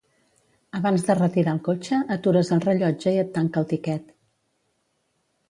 Abans de retirar el cotxe atures el rellotge i et tanca el tiquet.